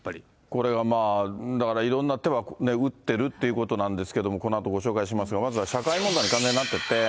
これはまあ、だからいろんな手は打ってるっていうことなんですけど、このあとご紹介しますが、まずは社会問題に完全になっていて。